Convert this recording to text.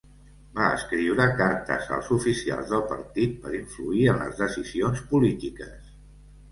Va escriure cartes als oficials del partit per influir en les decisions polítiques.